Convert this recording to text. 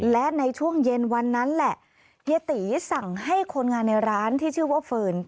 และในช่วงเย็นวันนั้นแหละเฮียตีสั่งให้คนงานในร้านที่ชื่อว่าเฟิร์น